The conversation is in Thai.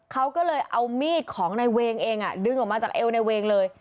เขาก็เลยเอามีดของในเวงเองดึงออกมาจากเอวในเวงเลย